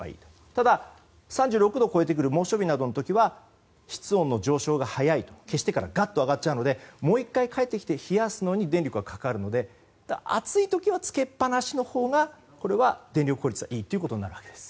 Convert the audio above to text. ただ、３６度を超えてくる猛暑日などの場合には室温の上昇が早い消してからがっと上がるのでもう１回、帰ってきて冷やすのに電力がかかるので暑い時はつけっぱなしのほうがこれは電力効率がいいということです。